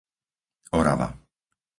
Orava